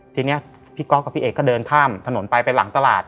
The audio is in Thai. ทีนี้พี่ก๊อกกับพี่เอกก็เดินข้ามถนนไปไปหลังตลาด